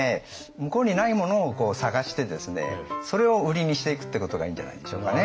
向こうにないものを探してですねそれを売りにしていくってことがいいんじゃないでしょうかね。